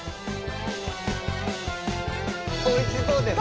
おいしそうですね。